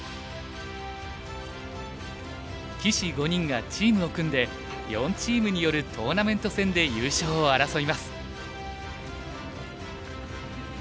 棋士５人がチームを組んで４チームによるトーナメント戦で優勝を争います。